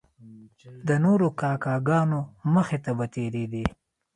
د نورو کاکه ګانو مخې ته به تیریدی.